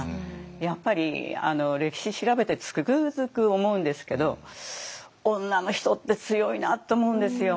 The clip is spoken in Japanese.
やっぱり歴史調べてつくづく思うんですけど女の人って強いなって思うんですよ。